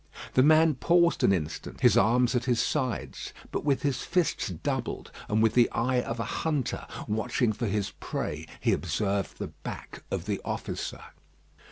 The man paused an instant, his arms at his sides, but with his fists doubled; and with the eye of a hunter, watching for his prey, he observed the back of the officer.